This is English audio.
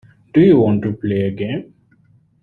Do you want to play a game.